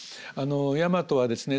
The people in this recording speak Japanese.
大和はですね